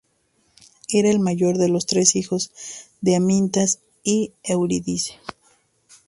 Era el mayor de los tres hijos de Amintas y Eurídice.